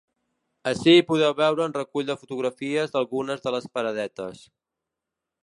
Ací podeu veure un recull de fotografies d’algunes de les paradetes.